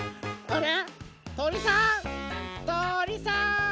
あれ？